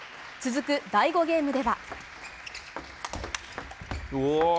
続く第５ゲームでは。